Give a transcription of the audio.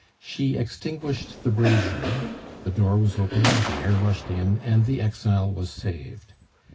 She extinguished the brazier; the door was open, the air rushed in, and the exile was saved.